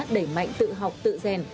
đẩy mạnh tự học tự rèn